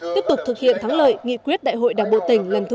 tiếp tục thực hiện thắng lợi nghị quyết đại hội đảng bộ tỉnh lần thứ một mươi